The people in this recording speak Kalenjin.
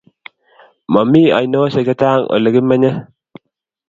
Mami ainosyek chechang' oleki menye.